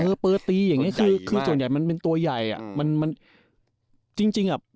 เออเปอร์ตีอย่างเงี้คือคือส่วนใหญ่มันเป็นตัวใหญ่อ่ะมันมันจริงจริงอ่ะ